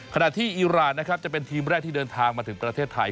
ขณะที่อีรานนะครับจะเป็นทีมแรกที่เดินทางมาถึงประเทศไทย